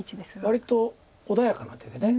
割と穏やかな手で。